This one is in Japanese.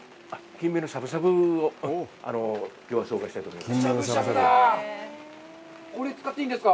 キンメのしゃぶしゃぶをきょうは紹介したいと思います。